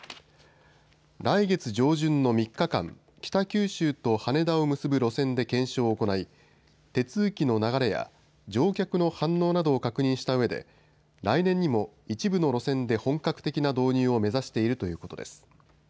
来月上旬の３日間、北九州と羽田を結ぶ路線で検証を行い、手続きの流れや乗客の反応などを確認したうえで来年にも一部の路線で本格的な導入を目指しているということです。